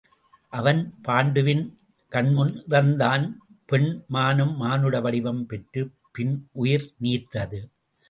அவன் பாண்டுவின் கண்முன் இறந்தான் பெண் மானும் மானுட வடிவம் பெற்றுப் பின் உயிர் நீத்தது.